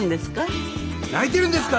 泣いてるんですか？